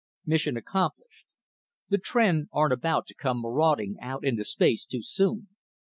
_Mission accomplished; the Tr'en aren't about to come marauding out into space too soon.